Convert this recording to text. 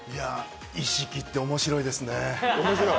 意識って面白いですね。